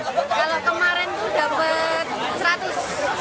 kalau kemarin itu dapat seratus